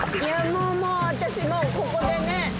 もうもう私もうここでね